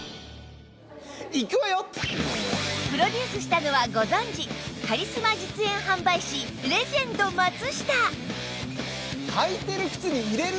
プロデュースしたのはご存じカリスマ実演販売士レジェンド松下